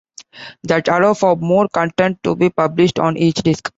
That allowed for more content to be published on each disk.